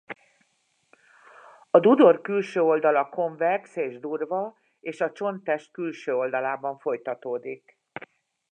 A dudor külső oldala konvex és durva és a csont test külső oldalában folytatódik.